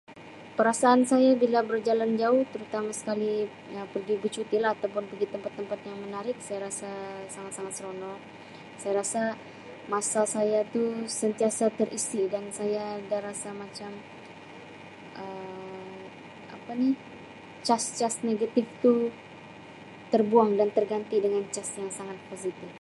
Perasaan saya bila berjalan jauh terutama sekali pergi bercuti lah atau pun pigi tempat-tempat yang menarik saya rasa sangat-sangat seronok saya rasa masa saya tu sentiasa terisi dan saya berasa macam Um apa ni cas-cas negatif tu terbuang dan terganti dengan cas yang sangat positif.